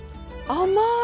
甘い。